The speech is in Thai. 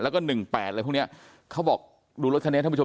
แล้วก็๑๘อะไรพวกนี้เขาบอกดูรถคณะนี้ท่านผู้ชม